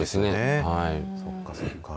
そっか、そっか。